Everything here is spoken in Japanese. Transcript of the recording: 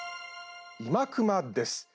「いまクマ」です。